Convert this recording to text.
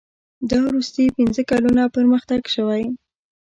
دا وروستي پنځه کلونه پرمختګ شوی.